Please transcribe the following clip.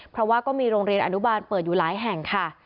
เพราะว่าก็มีโรงเรียนอนุบาลเปิดอยู่หลายแห่งค่ะ